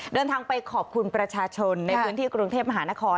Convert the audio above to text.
เดินทางไปขอบคุณประชาชนในพื้นที่กรุงเทพมหานคร